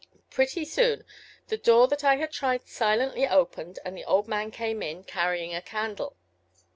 Pretty soon the door that I had tried silently opened and the old man came in, carrying a candle.